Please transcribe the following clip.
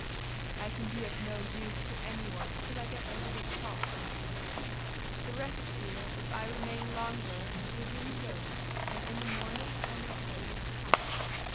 "I can be of no use to any one till I get over this shock," he said. "The rest here, if I remain longer, will do me good; and in the morning I may be able to help."